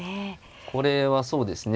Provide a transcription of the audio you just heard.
これはそうですね